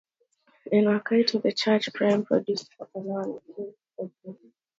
In Waikato and Christchurch, Prime produced a half-hour nightly news programme.